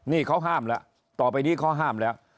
นี่เขาห้ามละต่อไปดีก็ห้ามแล้ว